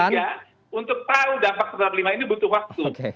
yang ketiga untuk tahu dampak terhadap lima ini butuh waktu